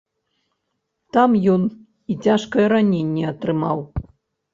Там ён і цяжкае раненне атрымаў.